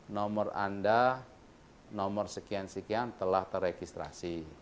nomor anda nomor sekian sekian telah terekistrasi